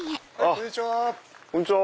こんにちは。